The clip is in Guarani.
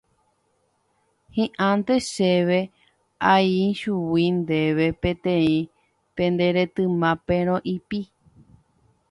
Hi'ãnte chéve aichiguíu ndéve peteĩ pe nde retyma perõipi.